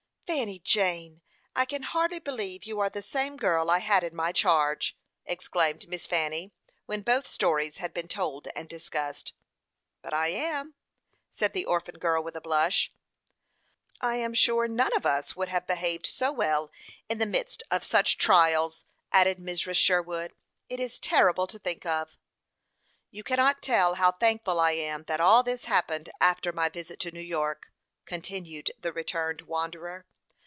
"Fanny Jane, I can hardly believe you are the same girl I had in my charge," exclaimed Miss Fanny, when both stories had been told and discussed. "But I am," said the orphan girl, with a blush. "I am sure none of us would have behaved so well in the midst of such trials," added Mrs. Sherwood. "It is terrible to think of." "You cannot tell how thankful I am that all this happened after my visit to New York," continued the returned wanderer.